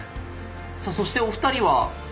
さあそしてお二人は？